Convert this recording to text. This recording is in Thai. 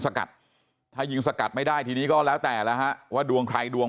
สกัดถ้ายิงสกัดไม่ได้ทีนี้ก็แล้วแต่แล้วฮะว่าดวงใครดวง